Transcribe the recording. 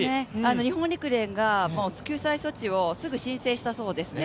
日本陸連が救済措置をすぐ申請したそうですね。